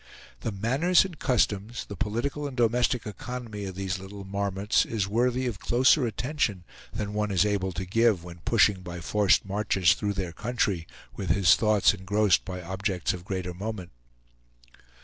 The manners and customs, the political and domestic economy of these little marmots is worthy of closer attention than one is able to give when pushing by forced marches through their country, with his thoughts engrossed by objects of greater moment.